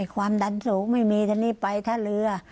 ความดันสูงไม่มีเท่านี้ไปเท่าเหลือ